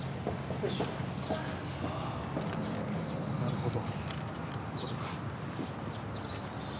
なるほど。